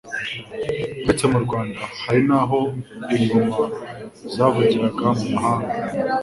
Uretse mu Rwanda, hari n'aho ingoma zavugiraga mu mahanga